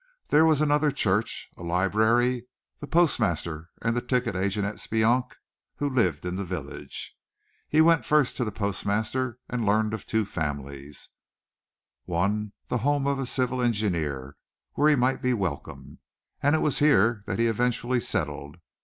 There was another church, a library, the postmaster and the ticket agent at Speonk who lived in the village. He went first to the postmaster and learned of two families, one the home of a civil engineer, where he might be welcome, and it was here that he eventually settled.